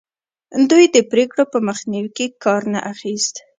دوی د پرېکړو په مخنیوي کې کار نه اخیست.